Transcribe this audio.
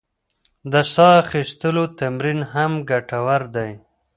د ساه اخیستلو تمرین هم ګټور دی.